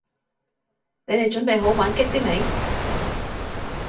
你哋準備好玩激啲未？